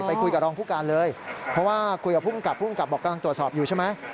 ไปคุยกับรองผู้การเลยเพราะว่าคุยกับภูมิกับผู้กำกับบอกกำลังตรวจสอบอยู่ใช่ไหม